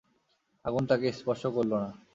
আগুন তাঁকে স্পর্শ করল না।